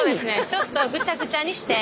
ちょっとぐちゃぐちゃにして。